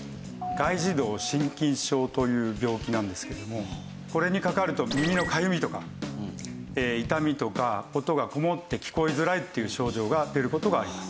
外耳道真菌症という病気なんですけれどもこれにかかると耳のかゆみとか痛みとか音がこもって聞こえづらいっていう症状が出る事があります。